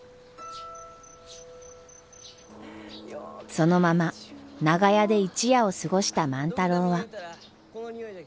そのまま長屋で一夜を過ごした万太郎は。